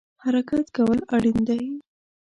حرکت کول اړین دی